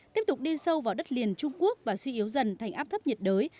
tiếp tục đi sâu vào đất liền trung quốc và suy yếu dần thành áp thấp nhiệt đới